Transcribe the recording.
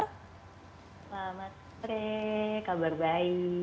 selamat sore kabar baik